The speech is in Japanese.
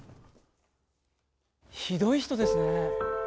ひどい人ですね。